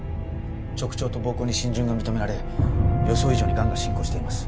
直腸と膀胱に浸潤が認められ予想以上に癌が進行しています。